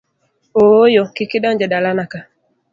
Ooyo, kik idonji e dalana ka!